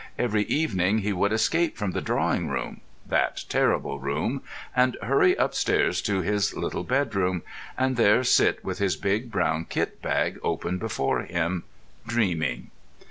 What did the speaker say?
Every evening he would escape from the drawing room—that terrible room—and hurry upstairs to his little bedroom, and there sit with his big brown kit bag open before him ... dreaming.